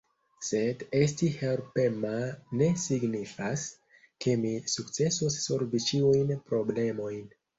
Sed esti helpema ne signifas, ke mi sukcesos solvi ĉiujn problemojn.